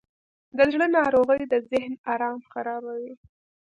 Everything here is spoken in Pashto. د زړه ناروغۍ د ذهن آرام خرابوي.